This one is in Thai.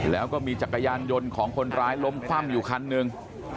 แล้วก็มีจักรยานยนต์ของคนร้ายล้มคว่ำอยู่คันหนึ่ง